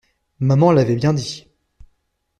Maman l'avait bien dit!